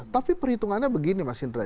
tapi perhitungannya begini mas indra